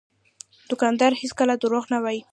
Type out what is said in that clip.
دوکاندار هېڅکله دروغ نه وایي.